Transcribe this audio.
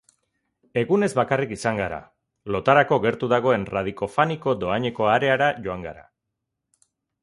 Egunez bakarrik izan gara. Lotarako gertu dagoen Radicofani-ko dohaineko areara joan gara.